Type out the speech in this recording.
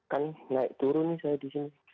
kan naik turun nih saya di sini